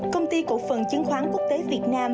công ty cổ phần chứng khoán quốc tế việt nam